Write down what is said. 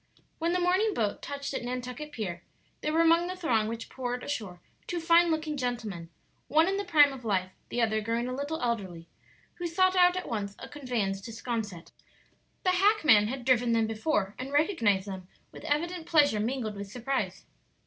When the morning boat touched at Nantucket pier there were among the throng which poured ashore two fine looking gentlemen one in the prime of life, the other growing a little elderly who sought out at once a conveyance to 'Sconset. The hackman had driven them before, and recognized them with evident pleasure mingled with surprise.